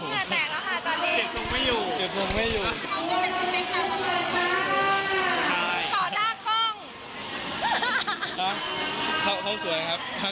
อ๋อก็รู้สึกดีใจค่ะที่ทุกคนอยากให้เราเป็นคุณจริง